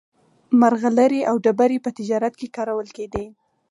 مرغلرې او ډبرې په تجارت کې کارول کېدې.